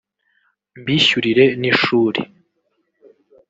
mbishyurire n’ishuri